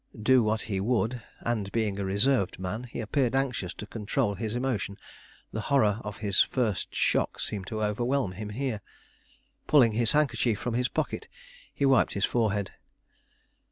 Do what he would, and being a reserved man he appeared anxious to control his emotion, the horror of his first shock seemed to overwhelm him here. Pulling his handkerchief from his pocket, he wiped his forehead.